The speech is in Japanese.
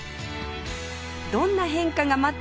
どんな変化が待っているのか？